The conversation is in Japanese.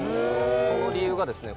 その理由がですね